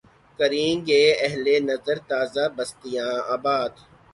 کریں گے اہل نظر تازہ بستیاں آباد